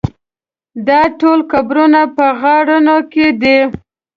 دا ټول قبرونه په غارونو کې دي.